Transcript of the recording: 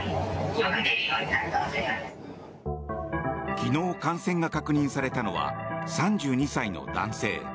昨日、感染確認されたのは３２歳の男性。